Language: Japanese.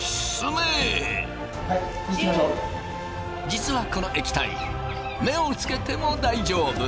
実はこの液体目をつけても大丈夫。